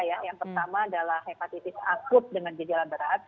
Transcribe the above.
yang pertama adalah hepatitis akut dengan gejala berat